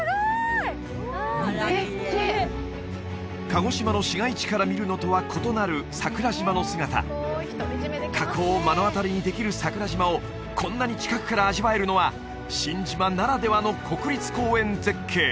鹿児島の市街地から見るのとは異なる桜島の姿火口を目の当たりにできる桜島をこんなに近くから味わえるのは新島ならではの国立公園絶景！